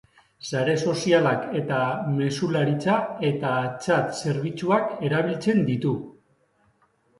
Sare sozialak eta mezularitza eta txat zerbitzuak erabiltzen ditu.